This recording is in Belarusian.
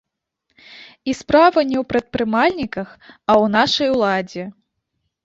І справа не ў прадпрымальніках, а ў нашай уладзе.